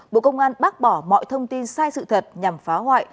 bộ công an bác bỏ mọi thông tin sai sự thật nhằm phá hoại